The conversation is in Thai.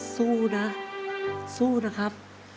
สู้นะสู้นะครับ